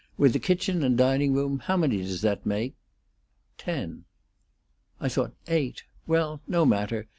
With the kitchen and dining room, how many does that make?" "Ten." "I thought eight. Well, no matter.